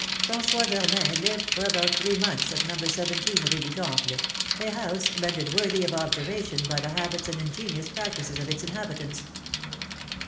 "François Germain lived for about three months at No. 17 Rue du Temple, a house rendered worthy of observation by the habits and ingenious practices of its inhabitants.